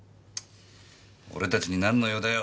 俺たちに何の用だよ？